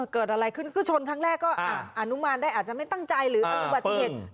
เกิดอะไรขึ้นคือชนครั้งแรกก็อนุมานได้อาจจะไม่ตั้งใจหรือเป็นอุบัติเหตุ